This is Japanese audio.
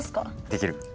できる。